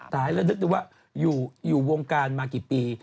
ตายแล้วนึกดูว่าอยู่วงการมากี่ปี